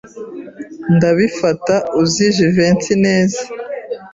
Ndabifata uzi Jivency neza.